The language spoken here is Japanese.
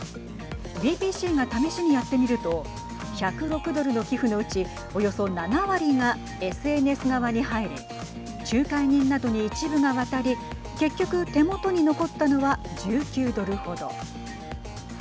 ＢＢＣが試しにやってみると１０６ドルの寄付のうちおよそ７割がＳＮＳ側に入り仲介人などに一部が渡り結局手元に残ったのは１９ドル程。